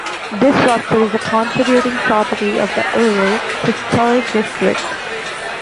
This structure is a contributing property of the Ouray Historic District.